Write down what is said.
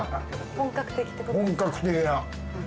本格的な。